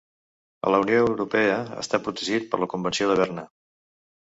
A la Unió Europea està protegit per la Convenció de Berna.